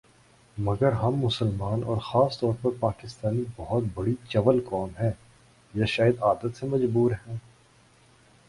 مگر ہم مسلمان اور خاص طور پر پاکستانی بہت بڑی چول قوم ہیں ، یا شاید عادت سے مجبور ہیں